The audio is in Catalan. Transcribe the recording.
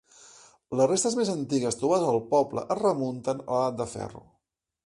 Les restes més antigues trobades al poble es remunten a l'edat de ferro.